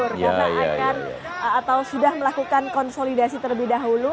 karena akan atau sudah melakukan konsolidasi terlebih dahulu